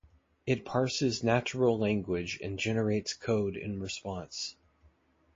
It parses natural language and generates code in response.